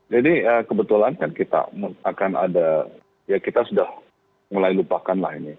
jadi kebetulan kita akan ada ya kita sudah mulai lupakanlah ini